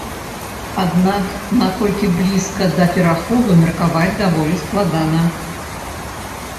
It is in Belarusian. Аднак наколькі блізка да пераходу меркаваць даволі складана.